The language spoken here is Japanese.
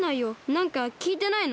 なんかきいてないの？